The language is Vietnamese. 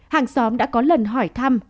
hàng xóm đã có lần hỏi thăm